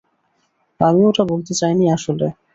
আমি ওটা বলতে চাইনি আসলে।